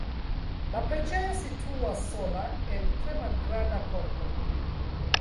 La preĝejo situas sola en tre malgranda korto.